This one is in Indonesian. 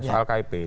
soal kip itu